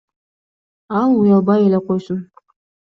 Ал уялбай эле койсун.